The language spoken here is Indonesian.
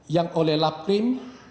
yang oleh laprim